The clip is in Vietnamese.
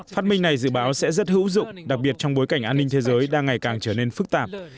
phát minh này dự báo sẽ rất hữu dụng đặc biệt trong bối cảnh an ninh thế giới đang ngày càng trở nên phức tạp